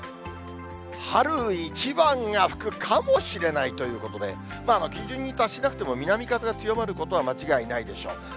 春一番が吹くかもしれないということで、基準に達しなくても、南風が強まることは間違いないでしょう。